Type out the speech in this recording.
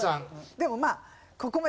でもまあ。